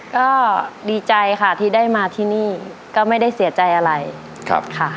ก็ดีใจค่ะที่ได้มาที่นี่ก็ไม่ได้เสียใจอะไรค่ะ